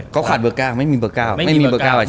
ก็ควัดเบอร์๙ไม่มีเบอร์๙อาชีพเลย